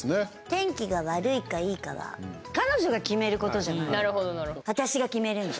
天気が悪いか、いいかは彼女が決めることじゃない。